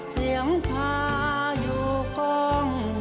เสียงพายุก้ง